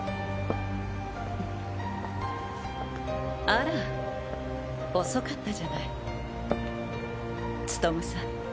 あら遅かったじゃない務武さん